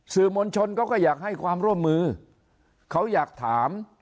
มวลชนเขาก็อยากให้ความร่วมมือเขาอยากถาม